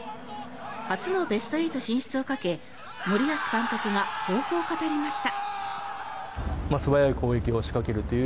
初のベスト８進出をかけ森保監督が抱負を語りました。